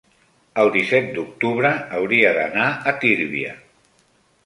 el disset d'octubre hauria d'anar a Tírvia.